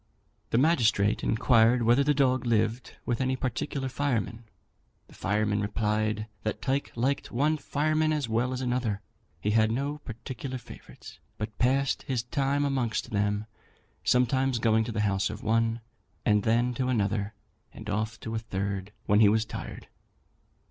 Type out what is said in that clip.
The magistrate inquired whether the dog lived with any particular fireman. The fireman replied that Tyke liked one fireman as well as another; he had no particular favourites, but passed his time amongst them, sometimes going to the house of one, and then to another, and off to a third when he was tired.